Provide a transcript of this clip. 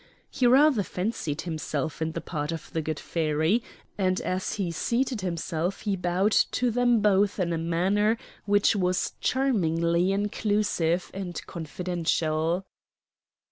He rather fancied himself in the part of the good fairy, and as he seated himself he bowed to them both in a manner which was charmingly inclusive and confidential.